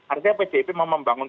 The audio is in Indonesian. artinya pdip mau membangun